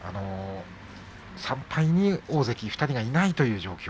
３敗に大関２人がいないという状況。